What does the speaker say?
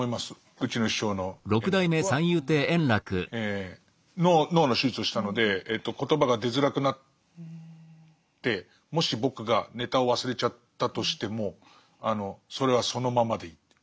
うちの師匠の円楽は脳の手術をしたので言葉が出づらくなってもし僕がネタを忘れちゃったとしてもそれはそのままでいいって。